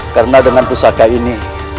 karena dengan pusaka ini